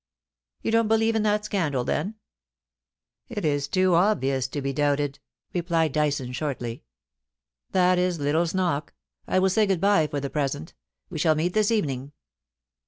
You don't believe in that scandal, then ?*' It is too obvious to be doubted,' replied Dyson, shortly. ' That is Little's knock. I will say good bye for the present. We shall meet this evening.'